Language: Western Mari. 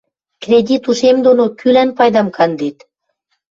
Кредит ушем доно кӱлӓн пайдам кандет?!